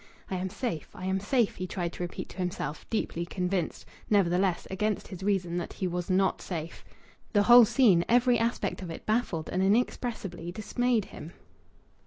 "I am safe. I am safe," he tried to repeat to himself, deeply convinced, nevertheless, against his reason, that he was not safe. The whole scene, every aspect of it, baffled and inexpressibly dismayed him.